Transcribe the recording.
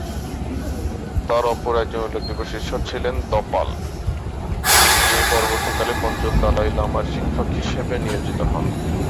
তার অপর একজন উল্লেখযোগ্য শিষ্য ছিলেন দ্পাল-'ব্যোর-ল্হুন-গ্রুব যিনি পরবর্তীকালে পঞ্চম দলাই লামার শিক্ষক হিসেব নিয়োজিত হন।